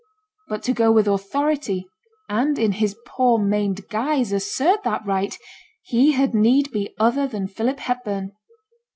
But to go with authority, and in his poor, maimed guise assert that right, he had need be other than Philip Hepburn.